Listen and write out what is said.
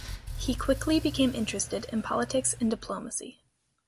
He quickly became interested in politics and diplomacy.